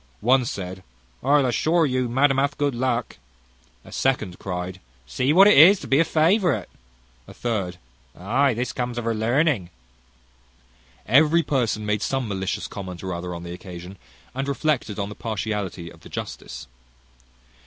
One said, "I'll assure you, madam hath had good luck." A second cryed, "See what it is to be a favourite!" A third, "Ay, this comes of her learning." Every person made some malicious comment or other on the occasion, and reflected on the partiality of the justice.